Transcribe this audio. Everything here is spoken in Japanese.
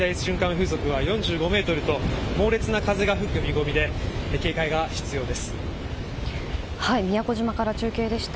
風速は４５メートルと猛烈な風が吹く見込みで宮古島から中継でした。